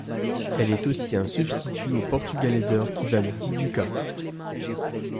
Elle est aussi un substitut aux Portugaleser qui valent dix ducats.